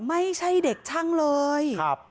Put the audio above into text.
ไม่ใช่เด็กช่างเลย